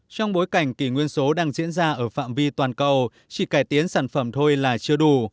trong bối cảnh kỷ nguyên số đang diễn ra ở phạm vi toàn cầu chỉ cải tiến sản phẩm thôi là chưa đủ